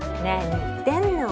何言ってんの？